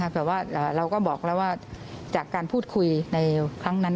แต่ว่าเราก็บอกแล้วว่าจากการพูดคุยในครั้งนั้น